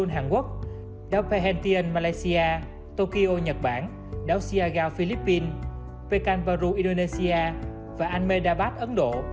hàn quốc malaysia japan philippines indonesia và ấn độ